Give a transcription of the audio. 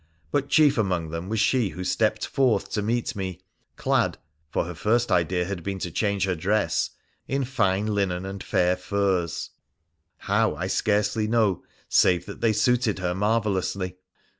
But chief among them was she who stepped forth to meet me, clad (for her first idea had been to change her dress) in fine linen and fair furs — how, I scarcely know, save that they suited her marvellously.